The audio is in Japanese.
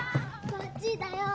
こっちだよ！